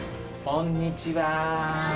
こんにちは。